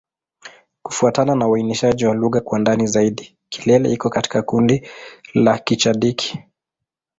Kufuatana na uainishaji wa lugha kwa ndani zaidi, Kilele iko katika kundi la Kichadiki.